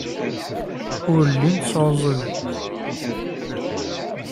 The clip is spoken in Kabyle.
Ur llint sɛuẓẓugent.